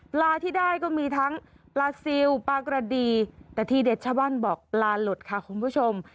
ที่ได้ก็มีทั้งปลาซิลปลากระดีแต่ทีเด็ดชาวบ้านบอกปลาหลุดค่ะคุณผู้ชม